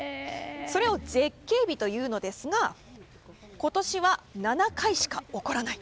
それを絶景日というのですが今年は７回しか起こらない。